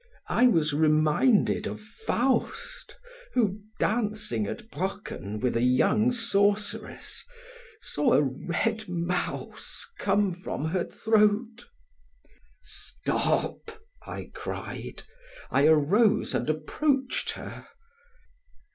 I was reminded of Faust who, dancing at Brocken with a young sorceress, saw a red mouse come from her throat. "Stop!" I cried. I arose and approached her.